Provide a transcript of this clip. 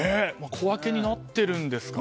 小分けになってるんですかね。